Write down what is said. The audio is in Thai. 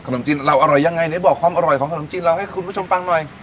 นมจีนเราอร่อยยังไงไหนบอกความอร่อยของขนมจีนเราให้คุณผู้ชมฟังหน่อย